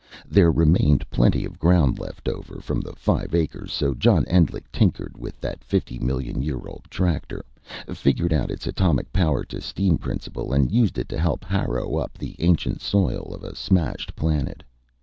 There remained plenty of ground left over from the five acres, so John Endlich tinkered with that fifty million year old tractor, figured out its atomic power to steam principle, and used it to help harrow up the ancient soil of a smashed planet.